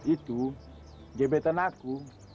itu jebetan aku